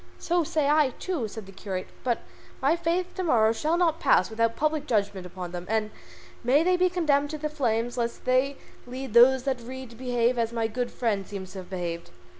"So say I too," said the curate, "and by my faith to morrow shall not pass without public judgment upon them, and may they be condemned to the flames lest they lead those that read to behave as my good friend seems to have behaved."